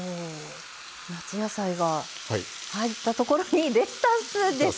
夏野菜が入ったところにレタスです！